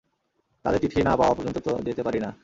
তাদের চিঠি না পাওয়া পর্যন্ত তো, যেতে পারি না?